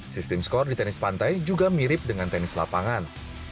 sistem skor di tenis pantai juga mirip dengan tenis lapangan